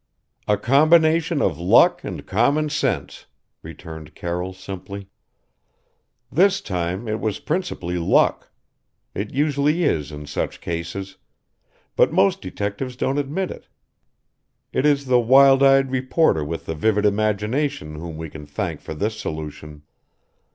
"A combination of luck and common sense," returned Carroll simply. "This time it was principally luck. It usually is in such cases but most detectives don't admit it. It is the wild eyed reporter with the vivid imagination whom we can thank for this solution.